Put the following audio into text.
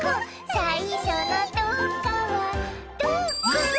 「さいしょのどっかはどこ？」